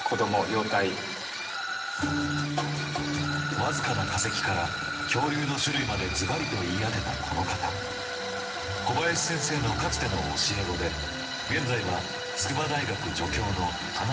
僅かな化石から恐竜の種類までずばりと言い当てたこの方小林先生のかつての教え子で現在は筑波大学助教の田中康平さん。